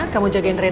kamu jagain reina